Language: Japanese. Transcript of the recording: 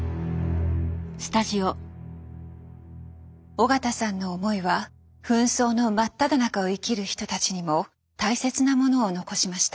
緒方さんの思いは紛争の真っただ中を生きる人たちにも大切なものを残しました。